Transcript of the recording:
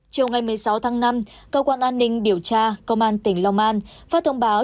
chiều ngày một mươi sáu tháng năm cơ quan an ninh điều tra công an tỉnh long an phát thông báo